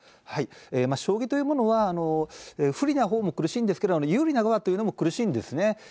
将棋というものは、不利なほうも苦しいんですけど、有利な側というのも苦しいんですね。